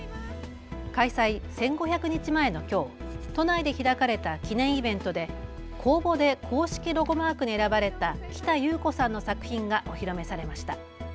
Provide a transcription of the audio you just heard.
開催１５００日前のきょう都内で開かれた記念イベントで公募で公式ロゴマークに選ばれた喜多祐子さんの作品がお披露目されました。